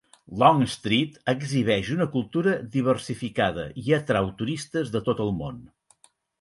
Long Street exhibeix una cultura diversificada i atrau turistes de tot el món.